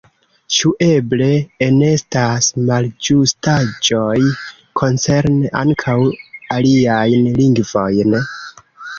Ĉu eble enestas malĝustaĵoj koncerne ankaŭ aliajn lingvojn?